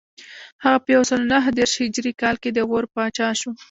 هغه په یو سل نهه دېرش هجري کال کې د غور پاچا شو